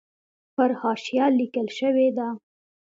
پر حاشیه لیکل شوې ده.